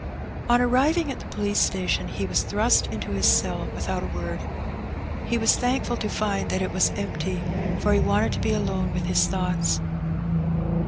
On arriving at the police station he was thrust into his cell without a word. He was thankful to find that it was empty, for he wanted to be alone with his thoughts.